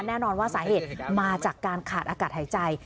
แน่นอนว่าสาเหตุมาจากการขาดอากาศหายใจ